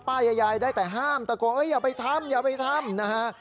ยายยายได้แต่ห้ามตะโกนอย่าไปทำอย่าไปทำนะฮะ